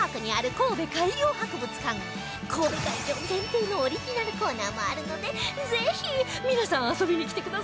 神戸会場限定のオリジナルコーナーもあるのでぜひ皆さん遊びに来てくださいね！